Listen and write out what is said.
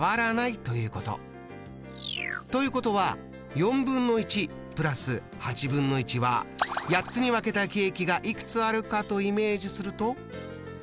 ということは＋は８つに分けたケーキがいくつあるかとイメージすると。